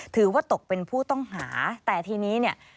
ถือว่าตกเป็นผู้ต้องหาแต่ทีนี้เนี่ย